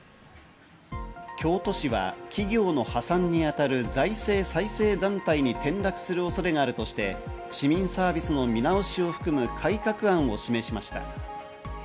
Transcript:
京都市は企業の破産にあたる財政再生団体に転落する恐れがあるとして、市民サービスの見直しを含む改革案を示しました。